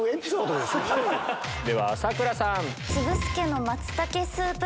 では佐倉さん。